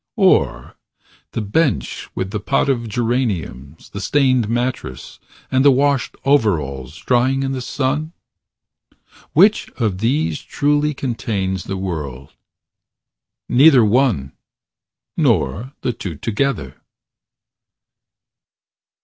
Or the bench with the pot of geraniums, the stained mattress and the washed overalls drying in the sun ? Which of these truly contains the world ? Neither one, nor the two together.